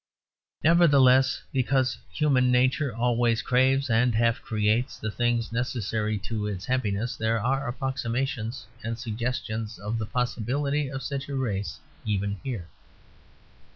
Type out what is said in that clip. Nevertheless, because human nature always craves and half creates the things necessary to its happiness, there are approximations and suggestions of the possibility of such a race even here.